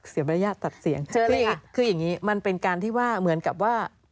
เสียบรัยญาตตัดเสียงเจออะไรค่ะคืออย่างงี้มันเป็นการที่ว่าเหมือนกับว่า